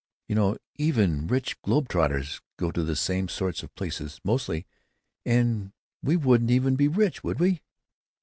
You know, even rich globe trotters go to the same sorts of places, mostly. And we wouldn't even be rich, would we?"